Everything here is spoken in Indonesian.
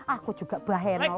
aku juga mbak henol